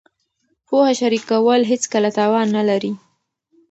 پوهه شریکول هېڅکله تاوان نه لري.